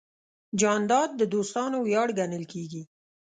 جانداد د دوستانو ویاړ ګڼل کېږي.